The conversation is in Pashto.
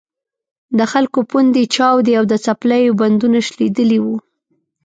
د خلکو پوندې چاودې او د څپلیو بندونه شلېدلي وو.